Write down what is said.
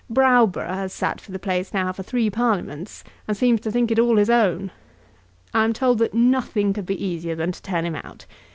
Browborough has sat for the place now for three Parliaments, and seems to think it all his own. I am told that nothing could be easier than to turn him out.